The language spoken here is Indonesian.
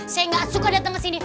saya nggak suka datang ke sini